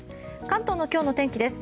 関東の今日の天気です。